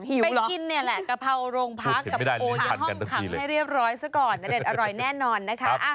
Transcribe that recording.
หิวเหรอพูดเห็นไม่ได้ทานกันต่อไปเลยพูดเห็นไม่ได้เรียบร้อยสักก่อนอร่อยแน่นอนนะคะ